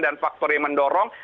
dan faktor yang mendorong